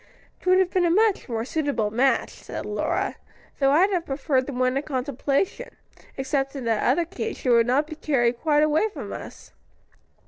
"'Twould have been a much more suitable match," said Lora. "Though I'd have preferred the one in contemplation, except that in the other case, she would not be carried quite away from us.